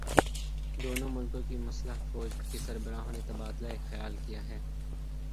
دونوں ملکوں کی مسلح افواج کے سربراہوں نے تبادلہ خیال کیا ہے